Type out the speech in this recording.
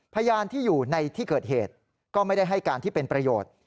พยานที่อยู่ในที่เกิดเหตุก็ไม่ได้ให้การที่เป็นประโยชน์